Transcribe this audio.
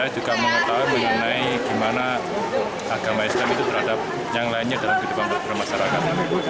saya juga mengetahui mengenai gimana agama islam itu terhadap yang lainnya dalam kehidupan masyarakat